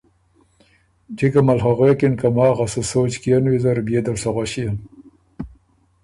جکه مل خه غوېکِن که ماخه سُو سوچ کيېن ویزر بيې دل سُو غوݭيېن۔